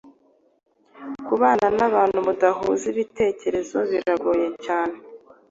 Kubana nabantu mudahuza ibitekerezo biragoye cyane